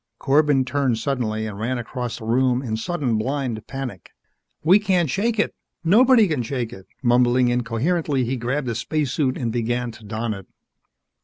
Corbin turned suddenly and ran across the room in sudden, blind panic. "We can't shake it! Nobody can shake one!" Mumbling incoherently, he grabbed a spacesuit and began to don it.